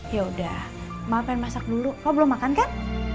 yaudah ma pengen masak dulu kau belum makan kan